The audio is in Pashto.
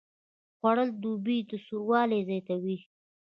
خوړل د دوبي سوړوالی زیاتوي